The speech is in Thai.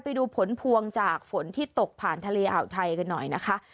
ไปดูผลพวงจากฝนที่ตกผ่านทะเลอ่าวไทยกันหน่อยนะคะ